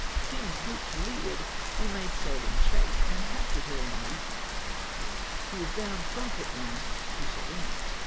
Seeing a sloop to leeward, we made sail in chase, and captured her in the evening ; she was bound from Port Mahon to Sardinia.